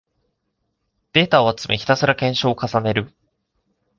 データを集め、ひたすら検証を重ねる